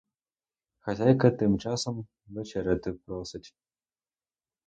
Хазяйка тим часом вечеряти просить.